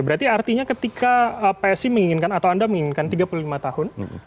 berarti artinya ketika psi menginginkan atau anda menginginkan tiga puluh lima tahun